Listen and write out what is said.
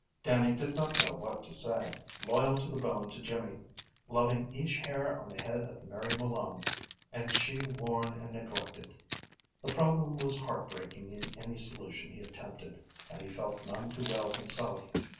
Dannie did not know what to say. Loyal to the bone to Jimmy, loving each hair on the head of Mary Malone, and she worn and neglected; the problem was heartbreaking in any solution he attempted, and he felt none too well himself.